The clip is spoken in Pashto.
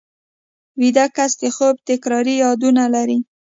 ویده کس د خوب تکراري یادونه لري